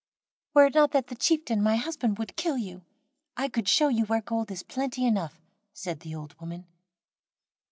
"Were it not that the chieftain, my husband, would kill you, I could show you where gold is plenty enough," said the old woman.